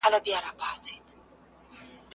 ده د زده کوونکو هڅونه مهمه بلله.